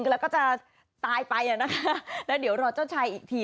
แล้วก็จะตายไปและเดี๋ยวรอเจ้าชายอีกที